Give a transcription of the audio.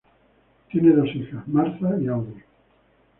Tienen dos hijas, Martha y Audrey.